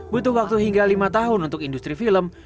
butuh waktu hingga lima tahun untuk industri film